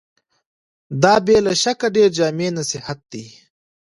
دا بې له شکه ډېر جامع نصيحت دی.